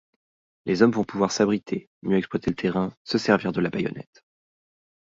Les hommes vont pouvoir s'abriter, mieux exploiter le terrain, se servir de la baïonnette.